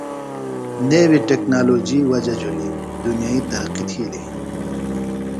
نیوی ٹیکنالوجی وجہ جُھلیۡ دنیئی ترقیۡ تِھیلیۡ۔